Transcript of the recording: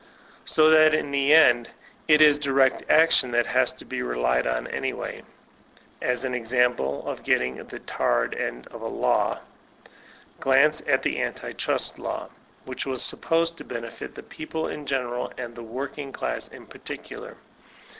So that in the end, it is direct action that has to be relied on anyway. As an example of getting the tarred end of a law, glance at the anti trust law, which was supposed to benefit the people in general, and the working class in particular.